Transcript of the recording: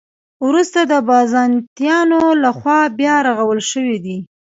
وروسته د بازنطینانو له خوا بیا رغول شوې دي.